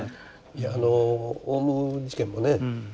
あのオウム事件もね